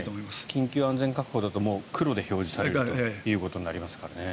緊急安全確保だともう黒で表示されることになりますからね。